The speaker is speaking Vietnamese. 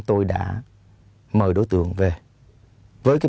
tiếp cận diso